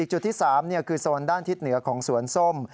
จุดที่๓คือโซนด้านทิศเหนือของสวนส้ม